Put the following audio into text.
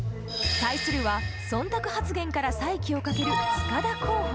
対するは、そんたく発言から再起をかける塚田候補。